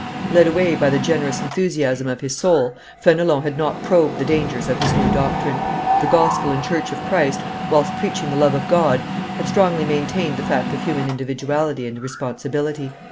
Led away by the generous enthusiasm of his soul, Fenelon had not probed the dangers of his new doctrine. The gospel and church of Christ, whilst preaching the love of God, had strongly maintained the fact of human individuality and responsibility.